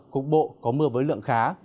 cục bộ có mưa với lượng khá